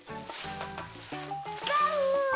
ガオ！